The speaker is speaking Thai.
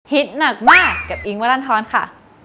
ฮิตหนักมากกับอิงว่าดันทรอนด์ค่ะ